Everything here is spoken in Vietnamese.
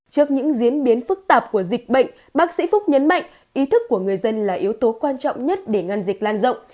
trước những diễn biến phức tạp của dịch bệnh bác sĩ phúc nhấn mạnh ý thức của người dân là yếu tố quan trọng nhất để ngăn dịch lan rộng